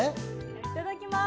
いただきます。